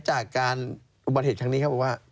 จากการอุบัติเหตุครั้งนี้เขาบอกว่า